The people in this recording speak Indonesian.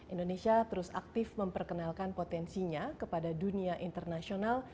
indonesia terus aktif memperkenalkan potensinya kepada dunia internasional